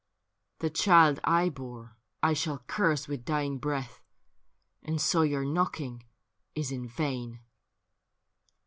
' The child I bore I shall curse with dying breath, And so your knocking is in vain.''